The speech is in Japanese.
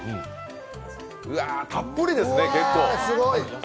うわー、たっぷりですね、結構。